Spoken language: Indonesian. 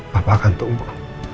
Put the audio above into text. papa akan tunggu